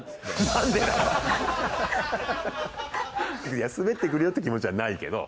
いやスベってくるよって気持ちはないけど。